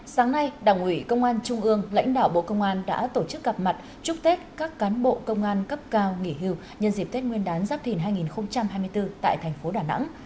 sáng nay đảng ủy công an trung ương lãnh đạo bộ công an đã tổ chức gặp mặt chúc tết các cán bộ công an cấp cao nghỉ hưu nhân dịp tết nguyên đán giáp thìn hai nghìn hai mươi bốn tại thành phố đà nẵng